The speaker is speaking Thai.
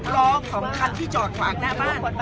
ล็อกของคันที่จอดขวากรรมบ้าน